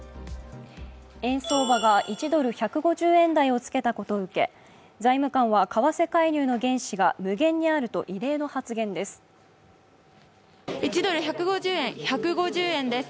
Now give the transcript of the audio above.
円相場が１ドル＝１５０円台をつけたことを受け財務官は為替介入の原資が無限にあると異例の発言です。